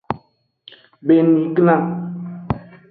Beniglan.